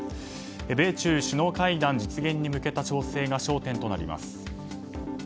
米中首脳会談実現に向けた調整が焦点となります。